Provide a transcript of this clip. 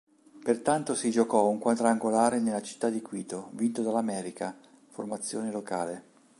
Pertanto, si giocò un quadrangolare nella città di Quito, vinto dall'América, formazione locale.